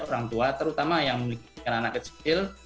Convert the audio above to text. orang tua terutama yang memiliki anak kecil